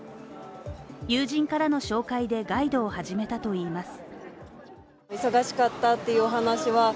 友人からの紹介でガイドを始めたといいます。